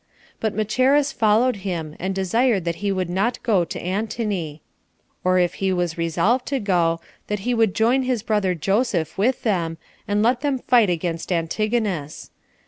But Macheras followed him, and desired that he would not go to Antony; or if he was resolved to go, that he would join his brother Joseph with them, and let them fight against Antigonus.